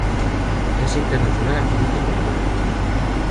Es internacional absoluto con Mali.